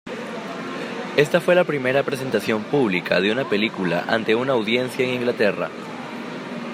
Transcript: Esta fue la primera presentación pública de una película ante una audiencia en Inglaterra.